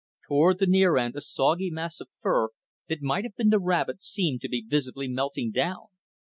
Toward the near end a soggy mass of fur that might have been the rabbit seemed to be visibly melting down.